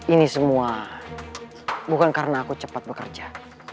ini semua bukan karena aku cepat bekerja